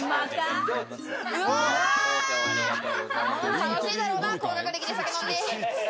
楽しいだろうな高学歴で酒飲んで。